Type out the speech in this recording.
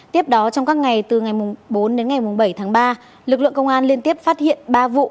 tiếp đó trong các ngày từ ngày bốn đến ngày bảy tháng ba lực lượng công an liên tiếp phát hiện ba vụ